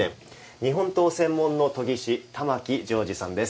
日本刀専門の研ぎ師玉置城二さんです。